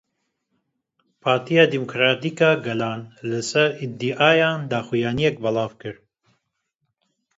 Partiya Demokratîk a Gelan li ser îdiayan daxuyaniyek belav kir.